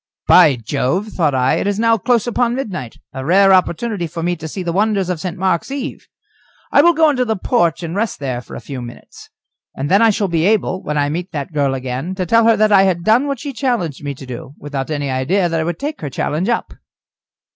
"By Jove!" thought I, "it is now close upon midnight, a rare opportunity for me to see the wonders of St. Mark's eve. I will go into the porch and rest there for a few minutes, and then I shall be able, when I meet that girl again, to tell her that I had done what she challenged me to do, without any idea that I would take her challenge up."